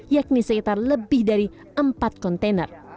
yakni sekitar lebih dari empat kontainer